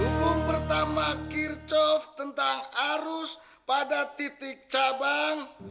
hukum pertama kirchov tentang arus pada titik cabang